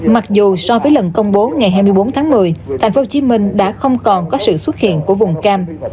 mặc dù so với lần công bố ngày hai mươi bốn tháng một mươi tp hcm đã không còn có sự xuất hiện của vùng cam